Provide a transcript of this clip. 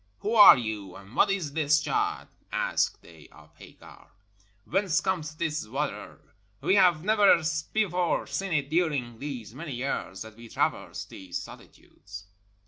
"Who are you, and what is this child?" asked they of Hagar; "whence comes this wa ter? We have never before seen it during these many years that we traversed these solitudes."